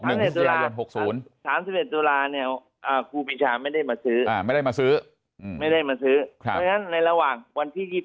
๖๑๐๓ต๊วนณเนี่ยกูผิดฉาไม่ได้มาซื้อไม่ได้มาซื้อในระหว่างกว่าที่